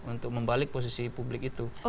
untuk membalik posisi publiknya